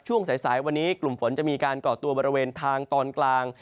ช่วงสายวันนี้กลุ่มฝนจะมีการก่อตัวบริเวณทางตอนกลาง